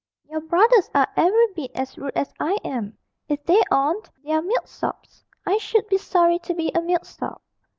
'Your brothers are every bit as rude as I am. If they aren't, they're milksops I should be sorry to be a milksop.'